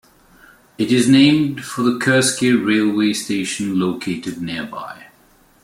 It is named for the Kursky railway station located nearby.